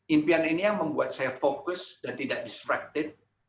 impian ini yang membuat saya fokus dan tidak distracted